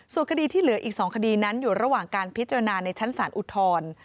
ส่วนคดีที่เหลืออีก๒คดีนั้นอยู่ระหว่างการพิจารณาในชั้นศาลอุทธรณ์